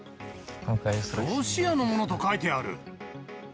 ロシアのものと書いてある。